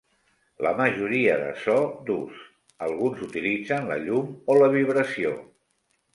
La majoria de so d'ús; alguns utilitzen la llum o la vibració.